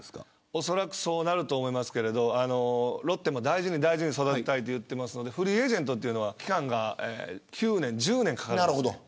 おそらくそうなると思いますがロッテも大事に育てたいと言っているのでフリーエージェントは期間が９年、１０年かかるんです。